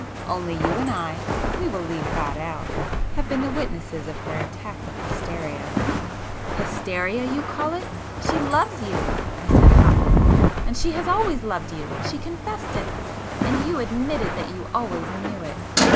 Only you and I (we will leave God out) have been the witnesses of her attack of hysteria ..." "Hysteria, you call it! She loves you!" I said hotly—"And she has always loved you. She confessed it,—and you admitted that you always knew it!"